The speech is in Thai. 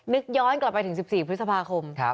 ย้อนกลับไปถึง๑๔พฤษภาคม